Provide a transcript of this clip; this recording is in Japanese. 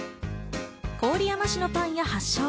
郡山市のパン屋が発祥。